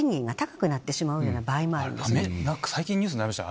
最近ニュースになりましたね。